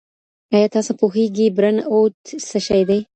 ایا تاسو پوهېږئ برن اوټ څه شی دی؟